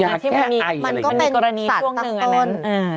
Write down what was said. มันก็เป็นสัตว์ประตูน